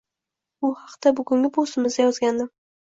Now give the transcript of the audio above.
— Bu haqda bugungi postimda yozgandim